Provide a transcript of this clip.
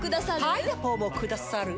パイナポーもくださるぅ？